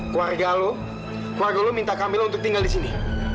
keluarga lo keluarga lo minta camillo untuk tinggal di sini